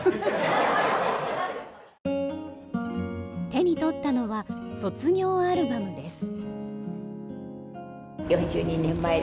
手に取ったのは卒業アルバムです。